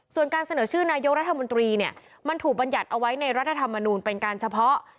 ส่วนการเสนอชื่อนายกรัฐมนตรีเนี่ยมันถูกบรรยัติเอาไว้ในรัฐธรรมนูลเป็นการเฉพาะ